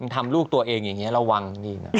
ทำลูกตัวเองอ่ะระวัง